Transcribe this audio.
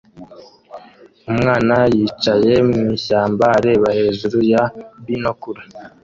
Umwana yicaye mwishyamba areba hejuru ya binokula